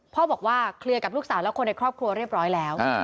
พ่อบอกว่าเคลียร์กับลูกสาวและคนในครอบครัวเรียบร้อยแล้ว